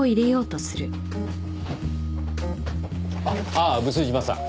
ああ毒島さん。